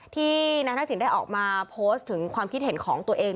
ที่นายทักษิณได้ออกมาโพสต์ถึงความคิดเห็นของตัวเอง